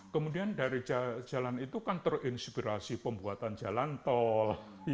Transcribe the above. kemudian dari jalan itu kan terinspirasi pembuatan jalan tol